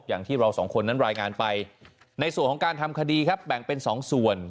อย่างที่เราสองคนนั้นรายงานไปในส่วนของการทำคดีครับแบ่งเป็น๒ส่วน